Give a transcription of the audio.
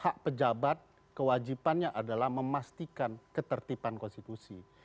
hak pejabat kewajibannya adalah memastikan ketertiban konstitusi